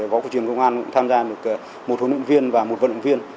võ cổ truyền công an cũng tham gia được một huấn luyện viên và một vận động viên